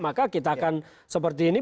maka kita akan seperti ini